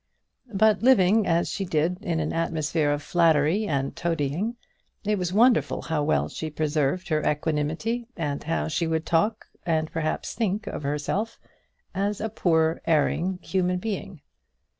But living, as she did, in an atmosphere of flattery and toadying, it was wonderful how well she preserved her equanimity, and how she would talk and perhaps think of herself, as a poor, erring human being.